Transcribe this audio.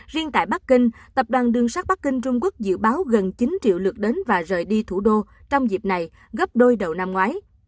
riêng tại bắc kinh tập đoàn đường sát bắc kinh trung quốc dự báo gần chín triệu lượt đến và rời đi thủ đô trong dịp này gấp đôi đầu năm ngoái